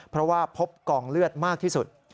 เพราะว่าพบกองเลือดมากที่สุด